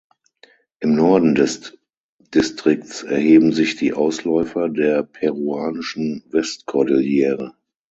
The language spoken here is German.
Im Norden des Distrikts erheben sich die Ausläufer der peruanischen Westkordillere.